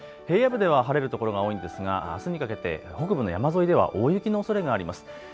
平野部では晴れる所が多いんですが、あすにかけて北部の山沿いでは大雪のおそれがあります。